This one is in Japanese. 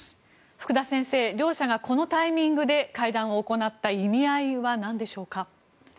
福田先生両者がこのタイミングで会談を行った意味合いはなんでしょうか。